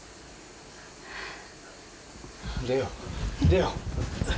出よう出よう！